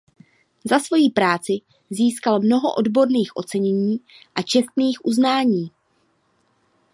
Za svoji práci získal mnoho odborných ocenění a čestných uznání.